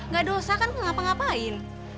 gak ada usah kan ngapa ngapain